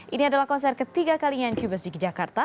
ini adalah konser ketiga kalinya cubes di jakarta